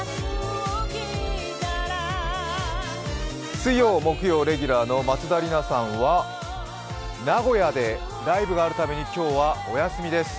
水曜・木曜レギュラーの松田里奈さんは名古屋でライブがあるために今日はお休みです。